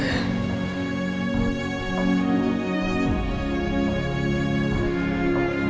ini ini ini metin metin metin